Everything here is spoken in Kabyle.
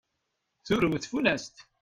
Turew tfunast.